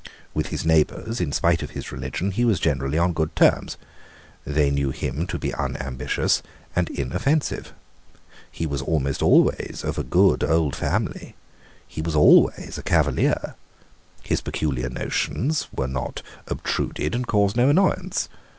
With his neighbours, in spite of his religion, he was generally on good terms. They knew him to be unambitious and inoffensive. He was almost always of a good old family. He was always a Cavalier. His peculiar notions were not obtruded, and caused no annoyance.